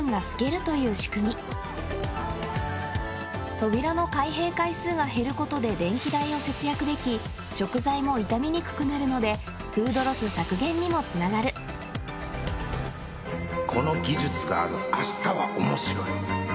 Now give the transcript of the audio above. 扉の開閉回数が減ることで電気代を節約でき食材も傷みにくくなるのでにもつながるこの技術があるあしたは面白い